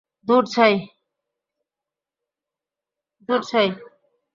ধুর, ছাই!